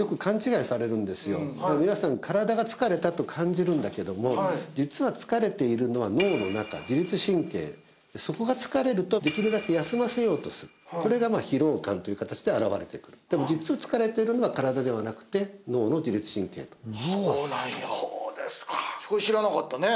そう皆さん身体が疲れたと感じるんだけども実は疲れているのは脳の中自律神経そこが疲れるとできるだけ休ませようとするそれが疲労感という形で現れてくるでも実は疲れてるのは身体ではなくて脳の自律神経とそうなんやそうですかこれ知らなかったね